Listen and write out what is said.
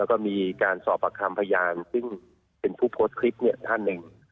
แล้วก็มีการสอบประคำพยานซึ่งเป็นผู้โพสต์คลิปเนี่ยท่านหนึ่ง